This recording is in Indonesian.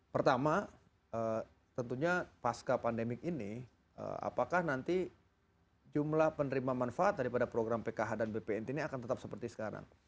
pertama tentunya pasca pandemik ini apakah nanti jumlah penerima manfaat daripada program pkh dan bpnt ini akan tetap seperti sekarang